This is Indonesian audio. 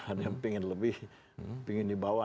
ada yang pingin lebih pingin dibawa